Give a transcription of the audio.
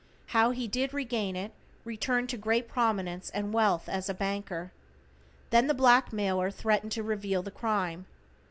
How he did regain it, returned to great prominence and wealth as a banker. Then the blackmailer threatened to reveal the crime.